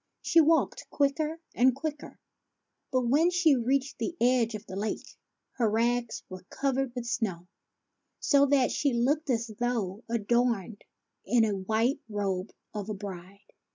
She walked quicker and quicker ; but, when she reached the edge of the lake, her rags were covered with snow, so that she looked as though adorned in the white robe of a bride.